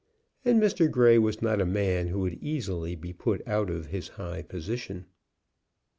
And Mr. Grey was not a man who would easily be put out of his high position.